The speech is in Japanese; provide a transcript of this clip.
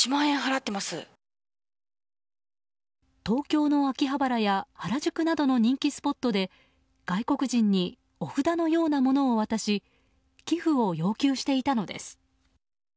東京の秋葉原や原宿などの人気スポットで外国人にお札のようなものを渡し寄付を要求していたのです。